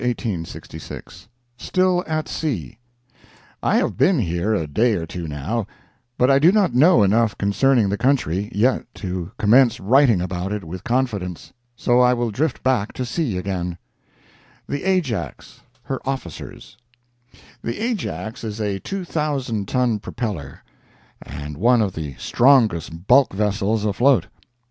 The Sacramento Daily Union, April 18, 1866 Honolulu, March 1866 STILL AT SEA I have been here a day or two now, but I do not know enough concerning the country yet to commence writing about it with confidence, so I will drift back to sea again. THE AJAX—HER OFFICERS The Ajax is a 2,000 ton propeller, and one of the strongest bulk vessels afloat.